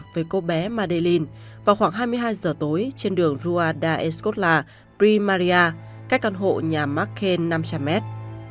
với cô bé madeleine vào khoảng hai mươi hai giờ tối trên đường rua da escola primaria cách căn hộ nhà marquen năm trăm linh mét